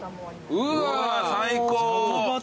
うわ最高。